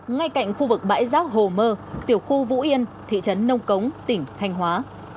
ngay cạnh khu vực bãi rác hồ mơ tiểu khu vũ yên thị trấn nông cống tỉnh thanh hóa